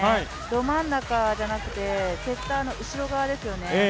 ど真ん中じゃなくてセッターの後ろ側ですよね。